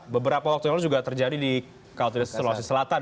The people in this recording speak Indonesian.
beberapa waktu yang lalu juga terjadi di kalau tidak seluruh selatan